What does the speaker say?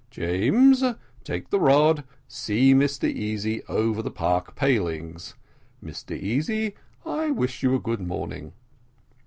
James, take the rod see Mr Easy over the park palings. Mr Easy, I wish you a good morning."